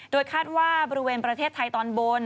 โดยคาดว่าบริเวณประเทศไทยตอนบน